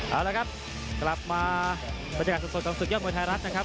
เอาละครับกลับมาบรรยากาศสดของศึกยอดมวยไทยรัฐนะครับ